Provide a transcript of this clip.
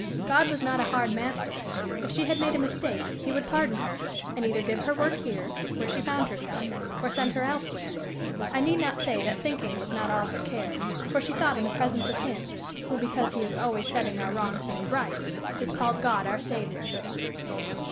God was not a hard master; if she had made a mistake, he would pardon her, and either give her work here, where she found herself, or send her elsewhere. I need not say that thinking was not all her care; for she thought in the presence of Him who, because he is always setting our wrong things right, is called God our Saviour.